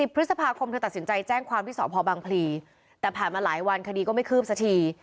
พฤษภาคมเธอตัดสินใจแจ้งความที่สพบังพลีแต่ผ่านมาหลายวันคดีก็ไม่คืบสักที